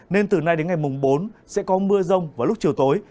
nên từ nay đến ngày mùng bốn sẽ có mưa rông vào lúc chiều tối